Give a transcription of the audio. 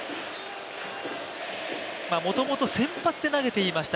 もともと先発で投げていました